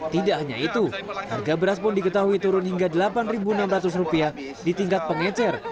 tidak hanya itu harga beras pun diketahui turun hingga rp delapan enam ratus di tingkat pengecer